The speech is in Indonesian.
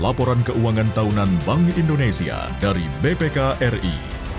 laporan keuangan tahunan bank indonesia dari bpkri